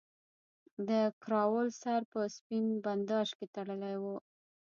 د کراول سر په سپین بنداژ کې تړلی وو.